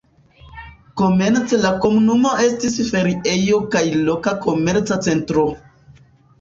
Komence la komunumo estis feriejo kaj loka komerca centro.